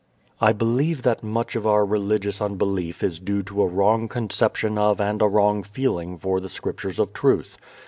I believe that much of our religious unbelief is due to a wrong conception of and a wrong feeling for the Scriptures of Truth.